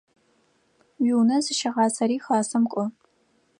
Уиунэ зыщыгъасэри Хасэм кIо.